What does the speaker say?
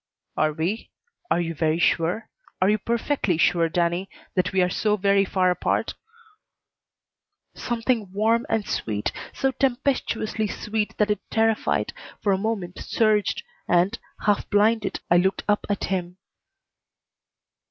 "Are we? Are you very sure? Are you perfectly sure, Danny, that we are so very far apart?" Something warm and sweet, so tempestuously sweet that it terrified, for a moment surged, and, half blinded, I looked up at him.